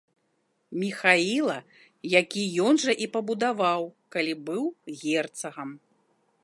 Міхаіла, які ён жа і пабудаваў, калі быў герцагам.